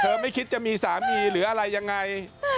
ไม่คิดจะมีสามีหรืออะไรยังไง